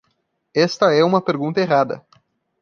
Esta é uma pergunta errada.